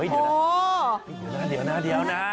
เดี๋ยวนะ